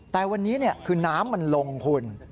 แต่วันนี้คือน้ำมันลงคุณ